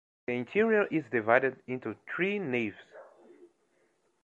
The interior is divided into three naves.